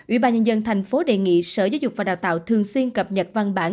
ủy ban nhân dân thành phố đề nghị sở giáo dục và đào tạo thường xuyên cập nhật văn bản